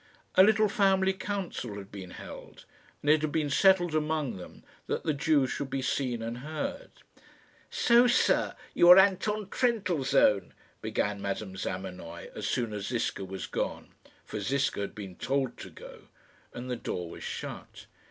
A little family council had been held, and it had been settled among them that the Jew should be seen and heard. "So, sir, you are Anton Trendellsohn," began Madame Zamenoy, as soon as Ziska was gone for Ziska had been told to go and the door was shut.